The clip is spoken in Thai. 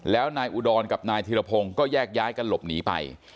แล้วนายอุดรกับนายธีรพงศ์ก็แยกย้ายกันหลบหนีไป